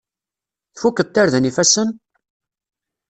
Tfukeḍ tarda n yifassen?